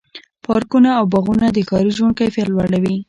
پارکونه او باغونه د ښاري ژوند کیفیت لوړوي.